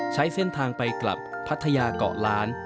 ใช้เส้นทางไปกลับพัทยาเกาะล้าน